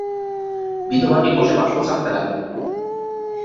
বিধবাটি বসে বাষ্প ছাড়তে লাগল।